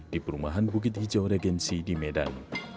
di perumahan bukit hijau regensi di medan